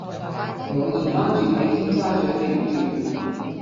我姨媽住喺尖沙嘴名鑄